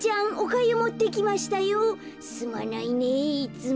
「すまないねぇいつも」。